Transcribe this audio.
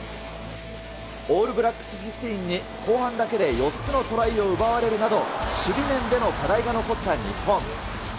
オールブラックス・フィフティーンに後半だけで４つのトライを奪われるなど、守備面での課題が残った日本。